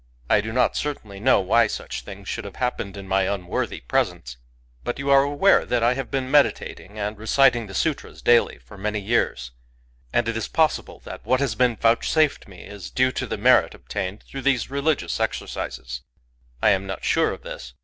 I do not certainly know why such things should have happened in my unworthy presence. But you Digitized by Googk 22 COMMON SENSE are aware that I have been meditating, and reciting the sutras daily, for many years ; and it is possible that what has been vouchsafed me is due to the merit obtained through these religious exercises. I am not sure of this.